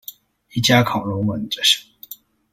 一家烤肉萬家香